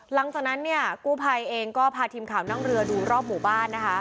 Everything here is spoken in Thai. หลังจากนั้นเนี่ยกู้ภัยเองก็พาทีมข่าวนั่งเรือดูรอบหมู่บ้านนะคะ